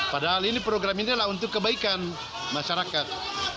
padahal ini program ini adalah untuk kebaikan masyarakat